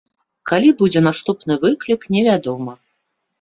Калі будзе наступны выклік, невядома.